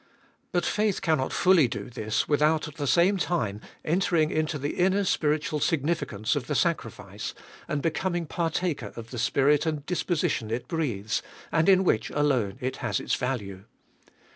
But faith cannot fully do this without at the same time entering into the inner spiritual significance of Cbe Dolfest or an 427 the sacrifice, and becoming partaker of the spirit and disposition it breathes, and in which alone it has its value.